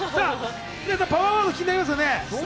パワーワード、気になりますよね。